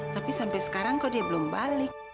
tapi sampai sekarang kok dia belum balik